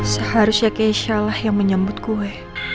seharusnya keisha lah yang menyambut kue